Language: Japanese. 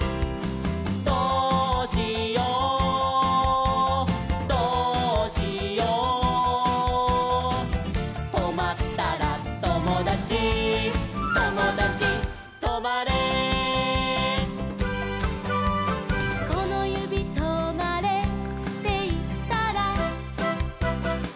「どうしようどうしよう」「とまったらともだちともだちとまれ」「このゆびとまれっていったら」